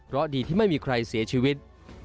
เพราะดีที่ไม่มีใครเสียชีวิต